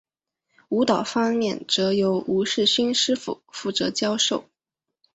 舞蹈方面则由吴世勋师傅负责教授。